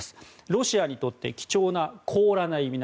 ロシアにとって貴重な凍らない港